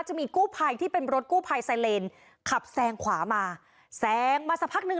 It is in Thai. จะมีกู้ภัยที่เป็นรถกู้ภัยไซเลนขับแซงขวามาแซงมาสักพักหนึ่ง